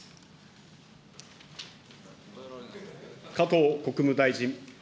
加藤国務大臣。